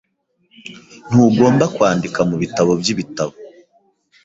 Ntugomba kwandika mubitabo byibitabo